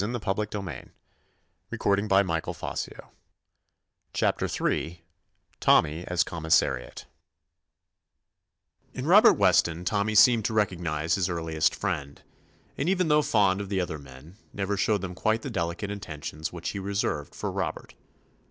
51 THE ADVENTURES OF CHAPTER III TOMMY AS COMMISSARIAT In Robert Weston Tommy seemed to recognize his earliest friend, and, even though fond of the other men, never showed them quite the delicate attentions which he reserved for Rob ert.